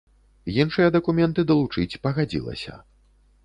Іншыя дакументы далучыць пагадзілася.